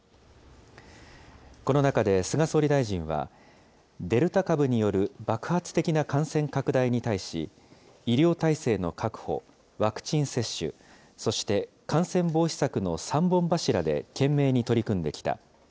この中で菅総理大臣は、デルタ株による爆発的な感染拡大に対し、医療体制の確保、ワクチン接種、そして感染防止策の３本柱で懸命に取り組んできた。